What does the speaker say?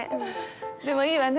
でもいいわね